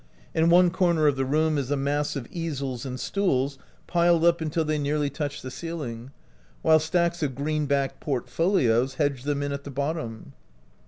In one corner of the room is a mass of easels and stools piled up until they nearly touch the ceiling, while stacks of green backed portfolios hedge them in at the bottom.